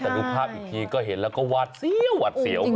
แต่ดูภาพอีกทีก็เห็นแล้วก็วาดเสียวหวัดเสียว